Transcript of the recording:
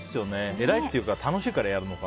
えらいっていうか楽しいからやるのか。